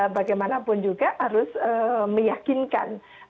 bagaimanapun juga harus meyakinkan